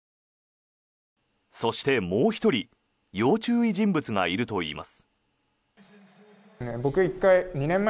そして、もう１人要注意人物がいるといいます。